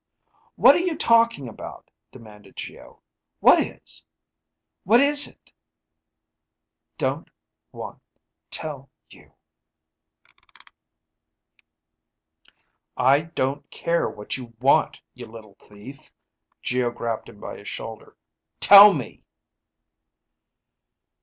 _ "What are you talking about?" demanded Geo. "What is it?" Don't ... want ... tell ... you ... "I don't care what you want, you little thief." Geo grabbed him by the shoulder. "Tell me!"